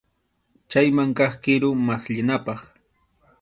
Chayman kaq kiru maqllinapaq.